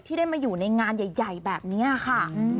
ได้มาอยู่ในงานใหญ่แบบนี้ค่ะ